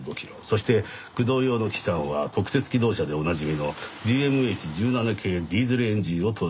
そして駆動用の機関は国鉄気動車でおなじみのＤＭＨ１７系ディーゼルエンジンを搭載しております。